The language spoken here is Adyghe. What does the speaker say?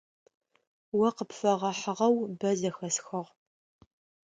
О къыпфэгъэхьыгъэу бэ зэхэсхыгъ.